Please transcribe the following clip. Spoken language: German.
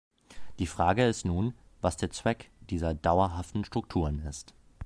Die Frage ist nun, was der Zweck dieser dauerhaften Strukturen ist.